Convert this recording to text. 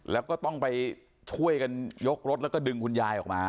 แล้วก็ต้องไปช่วยกันยกรถแล้วก็ดึงคุณยายออกมา